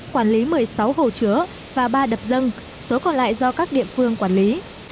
quản lý một mươi sáu hồ chứa và ba đập dân số còn lại do các địa phương quản lý